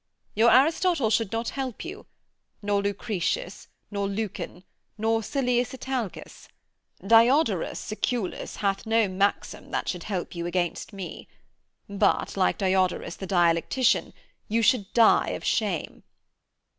Your Aristotle should not help you, nor Lucretius, nor Lucan, nor Silius Italicus. Diodorus Siculus hath no maxim that should help you against me; but, like Diodorus the Dialectician, you should die of shame.